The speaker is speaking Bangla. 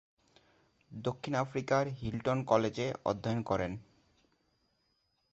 দক্ষিণ আফ্রিকার হিল্টন কলেজে অধ্যয়ন করেন।